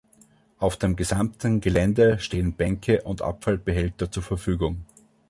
Auf dem gesamten Gelände stehen Bänke und Abfallbehälter zur Verfügung.